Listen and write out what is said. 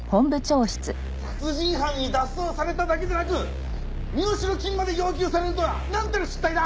殺人犯に脱走されただけでなく身代金まで要求されるとはなんたる失態だ！